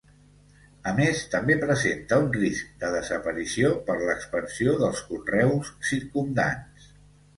A més, també presenta un risc de desaparició per l'expansió dels conreus circumdants.